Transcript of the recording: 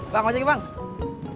bang mau cek gimana